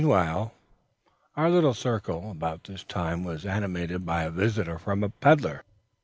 Our little circle about this time was animated by a visit from a peddler.